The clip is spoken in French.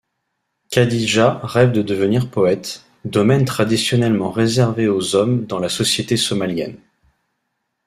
Khadija rêve de devenir poète, domaine traditionnellement réservé aux hommes dans la société somalienne.